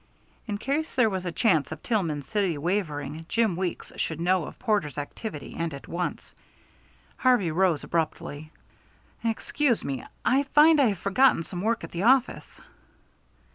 In case there was a chance of Tillman City wavering, Jim Weeks should know of Porter's activity and at once. Harvey rose abruptly. "Excuse me. I find I have forgotten some work at the office."